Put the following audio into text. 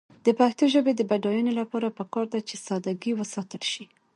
د پښتو ژبې د بډاینې لپاره پکار ده چې ساده ګي وساتل شي.